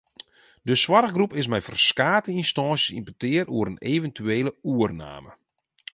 De soarchgroep is mei ferskate ynstânsjes yn petear oer in eventuele oername.